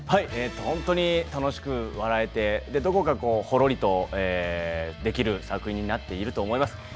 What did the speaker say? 本当に楽しく笑えてどこかほろりとできる作品になっていると思います。